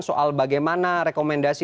soal bagaimana rekomendasi